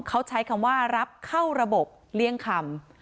เขาใช้คำว่ารับเข้าระบบเลี่ยงคำ